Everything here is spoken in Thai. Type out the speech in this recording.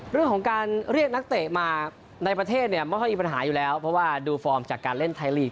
เรื่องของการเรียกนักเตะมาในประเทศเนี่ยไม่ค่อยมีปัญหาอยู่แล้วเพราะว่าดูฟอร์มจากการเล่นไทยลีก